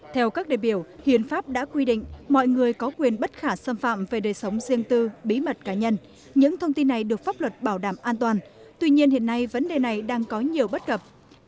theo các đề biểu hiến pháp đã quy định mọi người có quyền bất khả xâm phạm về đời sống riêng tư bí mật cá nhân những thông tin này được pháp luật bảo đảm an toàn tuy nhiên hiện nay vấn đề này đang có nhiều bất cập